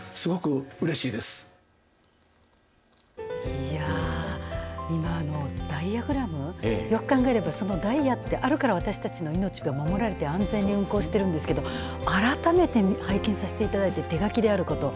いや、今のダイヤグラムよく考えればそのダイヤってあるから私たちの命が守られて安全に運行してるんですけど改めて拝見させていただいて手書きであること